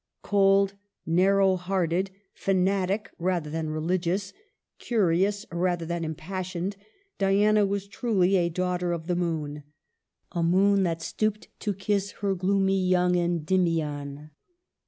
Cold, narrow hearted, fanatic rather than religious, curious rather than impassioned, Diana was truly a daughter of the moon, — a moon that stooped to kiss her gloomy young Endymion.